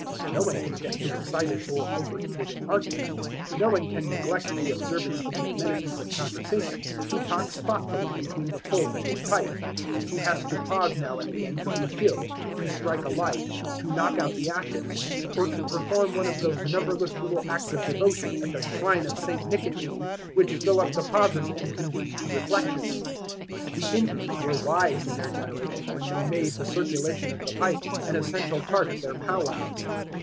No one can get too excited or over heated in argument, no one can neglect the observance of the amenities of conversation, who talks thoughtfully between the pulls at his pipe, who has to pause now and again to refill, to strike a light, to knock out the ashes, or to perform one of those numberless little acts of devotion at the shrine of St. Nicotine, which fill up the pauses and conduce to reflection. The Indians were wise in their generation when they made the circulation of the pipe an essential part of their pow wows.